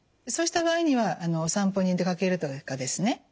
そうした場合にはお散歩に出かけるとかですね